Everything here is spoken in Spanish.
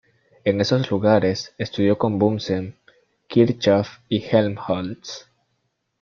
En esos lugares estudió con Bunsen, Kirchhoff y Helmholtz.